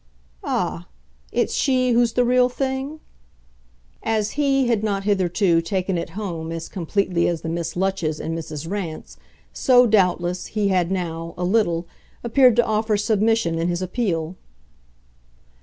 "Ah, it's she who's the real thing?" As HE had not hitherto taken it home as completely as the Miss Lutches and Mrs. Rance, so, doubtless, he had now, a little, appeared to offer submission in his appeal.